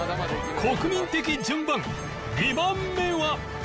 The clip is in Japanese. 国民的順番２番目は？